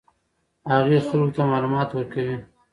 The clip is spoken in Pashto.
هغې خلکو ته معلومات ورکوي.